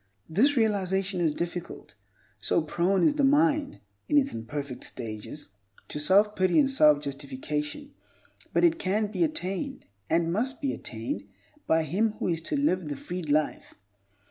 This realization is difficult, so prone is the mind, in its imperfect stages, to self pity and self justification, but it can be attained, and must be attained by him who is to live the freed life.